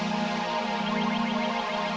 pak dia saja pak